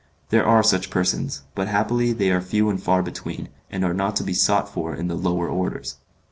There are such persons, but happily they are few and far between, and are not to be sought for in the lower orders.